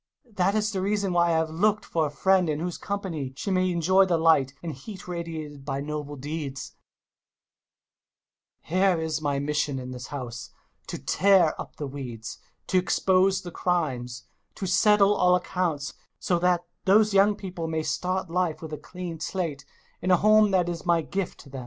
That is the rea son why I have looked for a friend in whose company she may enjoy the light and heat radiated by noble deeds [Long silence] Here is my mission in this house: to tear up tJ weedsy to expose tne crimes, to settle all accoimts, so that those young people may start life with a clean slate in a home^ that is my gift to them.